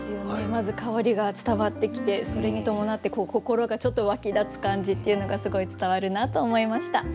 まず香りが伝わってきてそれに伴って心がちょっと沸き立つ感じっていうのがすごい伝わるなと思いました。